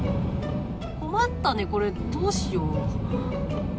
困ったね、これ、どうしよう。